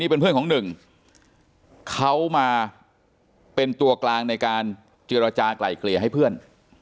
เพื่อนของ๑เขามาเป็นตัวกลางในการจิรัจาไกลเกลียให้เพื่อน